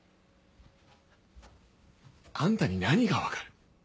あんたに何がわかる？